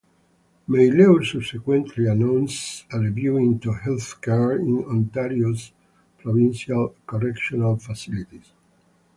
Meilleur subsequently announced a review into health care in Ontario's provincial correctional facilities.